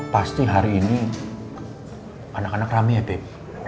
pasti hari ini anak anak rame ya pak